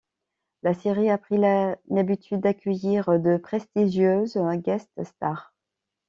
La série a pris l'habitude d'accueillir de prestigieuses guest-stars.